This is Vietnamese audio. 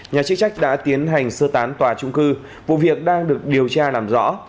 nhà chức trách đã tiến hành sơ tán tòa trung cư vụ việc đang được điều tra làm rõ